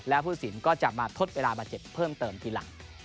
แล้วผู้สินก็จะมาทดเวลาบาดเจ็บเพิ่มเติมทีหลัง